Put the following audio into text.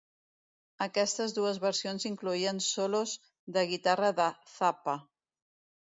Aquestes dues versions incloïen solos de guitarra de Zappa.